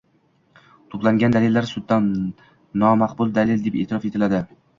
to‘plangan dalillar sudda nomaqbul dalil deb e’tirof etiladi.